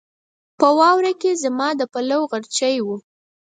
په واوره کې زما د پلوو غرچی و